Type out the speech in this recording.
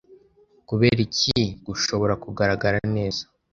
kuberiki gushobora kugaragara neza